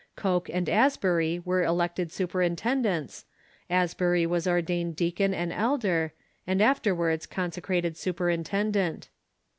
Coke and Asbury were elected superintendents, Asbury was ordained deacon and elder, and afterwards conse crated superintendent.